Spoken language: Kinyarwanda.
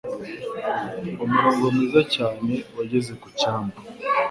Umurongo mwiza cyane wageze ku cyambu.